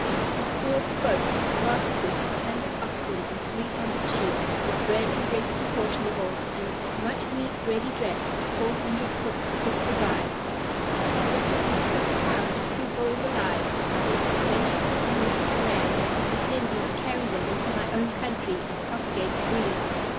I stored the boat with the carcases of an hundred oxen, and three hundred sheep, with bread and drink proportionable, and as much meat ready dressed as four hundred cooks could provide. I took with me six cows and two bulls alive, with as many ewes and rams, intending to carry them into my own country and propagate the breed.